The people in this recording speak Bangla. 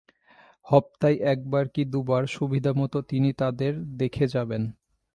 হপ্তায় একবার কি দুবার সুবিধামত তিনি তাদের দেখে যাবেন।